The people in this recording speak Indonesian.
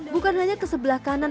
bukan hanya kesebelah kanan